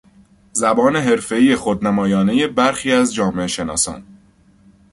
زبان حرفهای خودنمایانهی برخی از جامعه شناسان